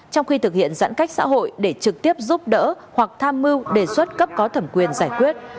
trong khi thực hiện giãn cách xã hội để trực tiếp giúp đỡ hoặc tham mưu đề xuất cấp có thẩm quyền giải quyết